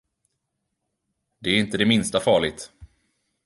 Det är inte det minsta farligt.